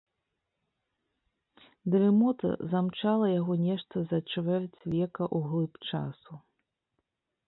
Дрымота замчала яго нешта за чвэрць века ў глыб часу.